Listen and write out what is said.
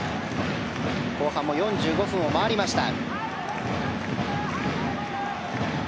後半４５分を回りました。